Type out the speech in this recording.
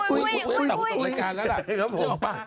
อุ้ยขอบคุณครับนะคะสักวันในตัวอุโรยการแล้วแหละ